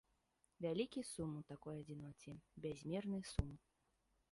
Вялікі сум у такой адзіноце, бязмерны сум.